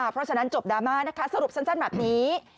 เพราะฉะนั้นจบดราม่านะคะสรุปสั้นแบบนี้